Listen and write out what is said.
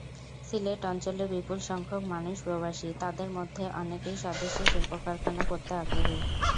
সিলেট অঞ্চলের বিপুলসংখ্যক মানুষ প্রবাসী, তাঁদের মধ্যে অনেকেই স্বদেশে শিল্পকারখানা গড়তে আগ্রহী।